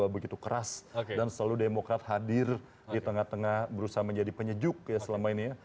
begitu keras dan selalu demokrat hadir di tengah tengah berusaha menjadi penyejuk ya selama ini ya